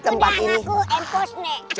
sudah ngaku m post nek